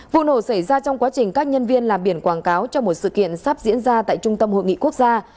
vụ nổ xảy ra trong quá trình các nhân viên làm biển quảng cáo cho một sự kiện sắp diễn ra tại trung tâm hội nghị quốc gia